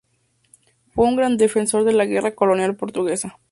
Fue un gran defensor de la guerra colonial portuguesa.